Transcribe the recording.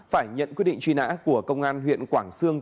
phải nhận quyết định truy nã của công an huyện quảng sương